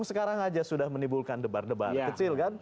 sekarang aja sudah menimbulkan debar debar kecil kan